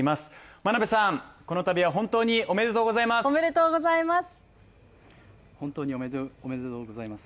真鍋さん、このたびは本当におめでとうございます。